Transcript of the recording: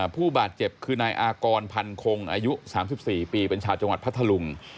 ผู้บาดเจ็บคือนายอากรพันคงอายุ๓๔ปีเป็นชาวจังหวัดพัทธลุง